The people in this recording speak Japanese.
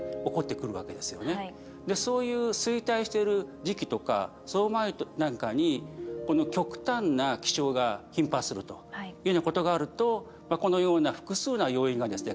そういう衰退してる時期とかその前なんかにこの極端な気象が頻発するというようなことがあるとこのような複数の要因がですね